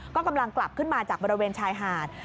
ก็กำลังกลับขึ้นมาจากบริเวณชายหาด